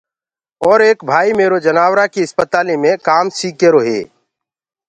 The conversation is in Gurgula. اور ايڪ ڀائيٚ ميرو جناورآنٚ ڪيٚ اِسپتاليٚ مي ڪآم سيٚک ريهرو هي۔